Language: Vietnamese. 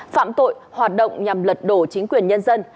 phạm tội hoạt động nhằm lật đổ chính quyền nhân dân